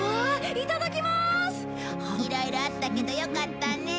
いろいろあったけどよかったね。